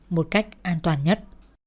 một cách an toàn nhất